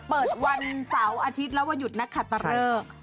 เปิดวันเสาร์อาทิตย์และวันหยุดนักขัดตะเลิก